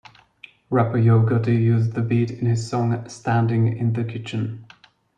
Rapper Yo Gotti used the beat in his song "Standing in the Kitchen".